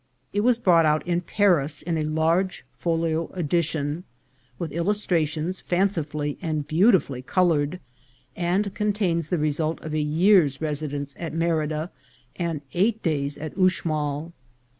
It was brought out in Paris in a large folio edition, with illustrations fancifully and beautifully coloured, and contains the result of a year's residence at Merida and eight days at Uxmal.